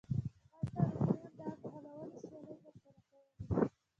هلته رومیانو د اس ځغلولو سیالۍ ترسره کولې.